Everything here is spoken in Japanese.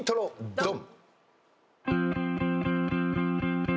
ドン！